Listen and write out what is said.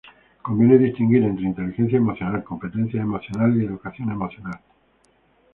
Conviene distinguir entre inteligencia emocional, competencias emocionales y educación emocional.